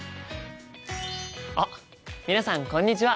あっ皆さんこんにちは！